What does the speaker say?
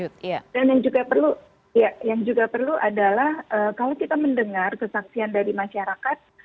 dan yang juga perlu adalah kalau kita mendengar kesaksian dari masyarakat